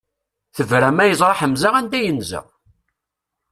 Tebra ma yeẓra Ḥemza anda yenza!